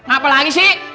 apa lagi sih